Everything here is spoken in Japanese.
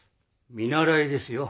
見習いですよ。